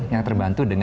yang terbantu dengan